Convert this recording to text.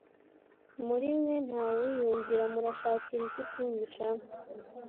muri mwe nta wuyumvira Murashakira iki kunyica